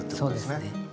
そうですね。